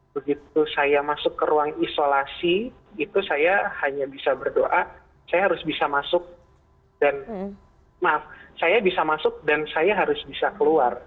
begitu saya masuk ke ruang isolasi itu saya hanya bisa berdoa saya harus bisa masuk dan maaf saya bisa masuk dan saya harus bisa keluar